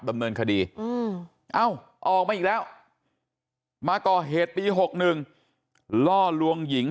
ดำเนินคดีเอ้าออกมาอีกแล้วมาก่อเหตุปี๖๑ล่อลวงหญิง